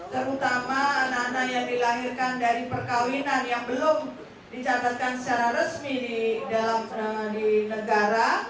terutama anak anak yang dilahirkan dari perkawinan yang belum dicatatkan secara resmi di negara